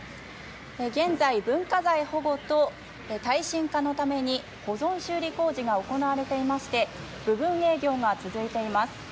現在文化財保護と耐震化のために保存修理工事が行われていまして部分営業が続いています。